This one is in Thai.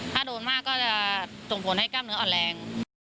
ถ้าโดนมากก็จะส่งผลให้กล้ามเนื้ออ่อนแรง